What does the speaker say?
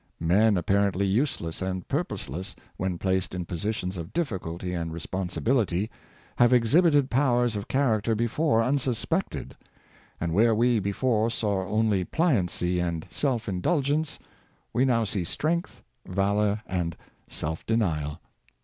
Men apparently useless and purposeless, when placed in positions of difficulty and responsibility, have exhibited powers of character before unsuspected; and where we before saw only pliancy and self indulgence, we now see strength, valor, and self denial.